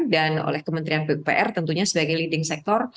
dan oleh kementerian pupr tentunya sebagai leading sector